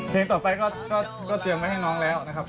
เพลงต่อไปก็เตรียมไว้ให้น้องแล้วนะครับ